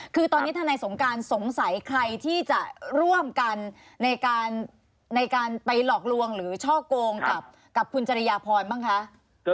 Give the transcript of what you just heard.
คือตอนนี้ทนายสงการสงสัยใครที่จะร่วมกันในการไปหลอกลวงหรือช่อโกงกับคุณจริยาพรบ้างคะ